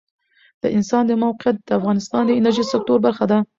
د افغانستان د موقعیت د افغانستان د انرژۍ سکتور برخه ده.